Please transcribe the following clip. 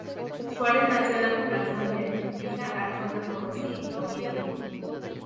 Suárez nació en la población de Tupiza al sur de Potosí, Bolivia.